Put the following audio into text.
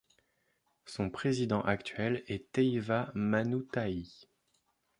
Son président actuel est Teiva Manutahi.